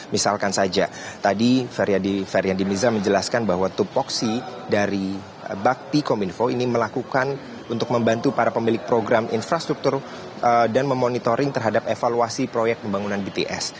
misalkan saja tadi feryandi miza menjelaskan bahwa tupoksi dari bakti kominfo ini melakukan untuk membantu para pemilik program infrastruktur dan memonitoring terhadap evaluasi proyek pembangunan bts